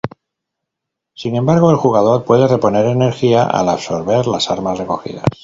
Sin embargo, el jugador puede reponer energía al absorber las armas recogidas.